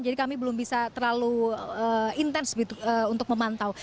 jadi kami belum bisa terlalu intens untuk memantau